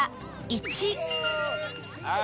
１。